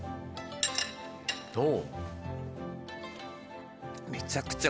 どう？